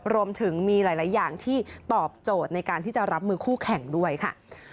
รวมถึงมีหลายอย่างที่ตอบโจทย์ในการที่จะรับมือคู่แข่งด้วยค่ะ